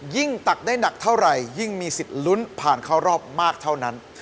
ตักได้หนักเท่าไหร่ยิ่งมีสิทธิ์ลุ้นผ่านเข้ารอบมากเท่านั้น